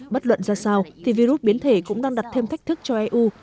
bất luận ra sao thì virus biến thể cũng đang đặt thêm thách thức cho eu